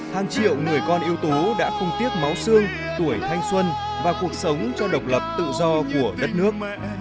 hàng triệu người con yếu tố đã không tiếc máu xương tuổi thanh xuân và cuộc sống cho độc lập tự do của đất nước